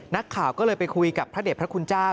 นักข่าวก็เลยไปคุยกับพระเด็จพระคุณเจ้า